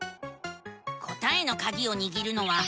答えのカギをにぎるのはえら。